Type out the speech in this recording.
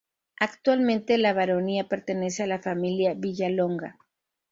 Actualmente la baronía pertenece a la familia Villalonga.